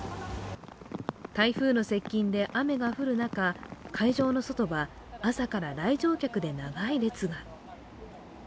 台風の接近で雨が降る中、会場の外は朝から来場客で長い列が。